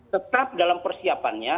tetap dalam persiapannya